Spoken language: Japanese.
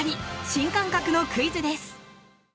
新感覚のクイズです。